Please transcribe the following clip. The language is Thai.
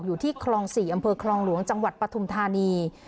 อยู่ที่คลอง๔อำเภอคลองหลวงจังหวัดปฐุมธานี